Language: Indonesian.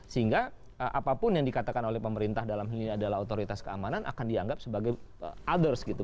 sehingga apapun yang dikatakan oleh pemerintah dalam hal ini adalah otoritas keamanan akan dianggap sebagai others gitu